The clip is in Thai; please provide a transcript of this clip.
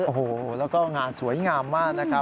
โอ้โหแล้วก็งานสวยงามมากนะครับ